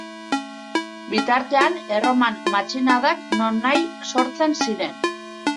Bitartean, Erroman matxinadak nonahi sortzen ziren.